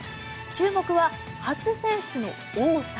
注目は初選出の多さ。